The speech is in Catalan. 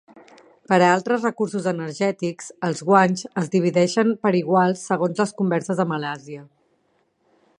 Per a altres recursos energètics, els guanys es dividirien per igual segons les converses a Malàisia.